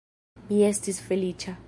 Mi estis feliĉa.